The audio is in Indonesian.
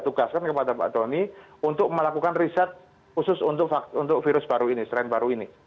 tugaskan kepada pak doni untuk melakukan riset khusus untuk virus baru ini strain baru ini